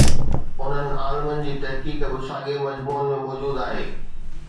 انهن عالمن جي تحقيق به ساڳئي مجموعن ۾ موجود آهي.